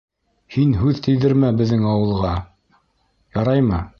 Һин һүҙ тейҙермә беҙҙең ауылға, яраймы?